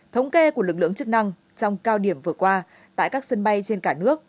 thống kê của lực lượng chức năng trong cao điểm vừa qua tại các sân bay trên cả nước